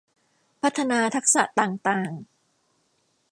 พัฒนาทักษะต่างต่าง